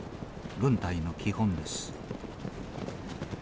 軍隊の基本です。